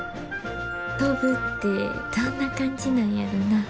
飛ぶってどんな感じなんやろな。